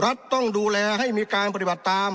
รัฐต้องดูแลให้มีการปฏิบัติตาม